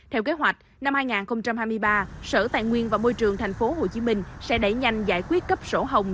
theo kế hoạch năm hai nghìn hai mươi ba sở tài nguyên và môi trường tp hcm sẽ đẩy nhanh giải quyết cấp sổ hồng